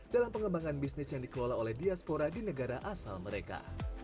dalam pengembangan bisnis yang dikelola oleh diaspora di negara asal mereka